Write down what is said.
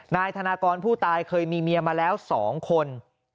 นายธนากรผู้ตายเคยมีเมียมาแล้ว๒คน